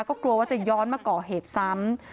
ก็กลัวว่าจะย้อนมาก่อเหตุซ้ำ